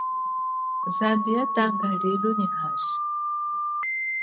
Zambi yatanga lilo nyi hashi.